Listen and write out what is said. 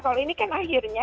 kalau ini kan akhirnya